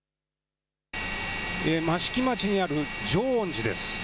益城町にある浄恩寺です。